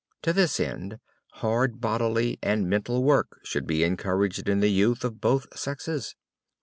To this end hard bodily and mental work should be encouraged in the youth of both sexes.